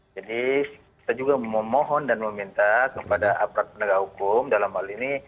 jadi kita juga memohon dan meminta kepada aparat penegak hukum dalam hal ini